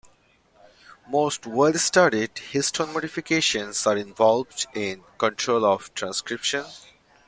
Most well-studied histone modifications are involved in control of transcription.